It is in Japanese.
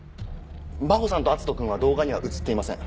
真帆さんと篤斗君は動画には写っていません。